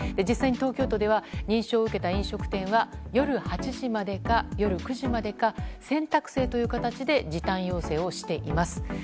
実際に東京都では認証を受けた飲食店は夜８時までか夜９時までか、選択制という形で時短要請をしています。